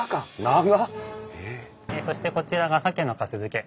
そしてこちらが鮭のかす漬け。